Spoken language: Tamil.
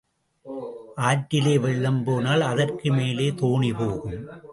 ஆற்றிலே வெள்ளம் போனால் அதற்கு மேலே தோணி போகும்.